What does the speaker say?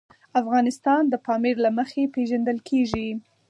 افغانستان د پامیر له مخې پېژندل کېږي.